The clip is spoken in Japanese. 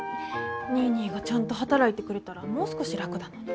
ニーニーがちゃんと働いてくれたらもう少し楽だのに。